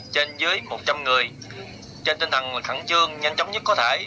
trên dưới một trăm linh người trên tinh thần khẩn trương nhanh chóng nhất có thể